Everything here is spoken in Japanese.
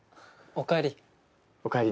おかえり。